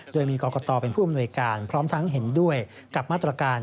โดยมีกรกตเป็นผู้อำนวยการพร้อมทั้งเห็นด้วยกับมาตรการ